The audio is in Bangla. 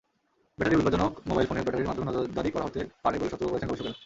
ব্যাটারিও বিপজ্জনকমোবাইল ফোনের ব্যাটারির মাধ্যমে নজরদারি করা হতে পারে বলে সতর্ক করেছেন গবেষকেরা।